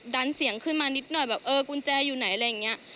ดันเสียงขึ้นมานิดหน่อยแบบเออกุญแจอยู่ไหนอะไรอย่างนี้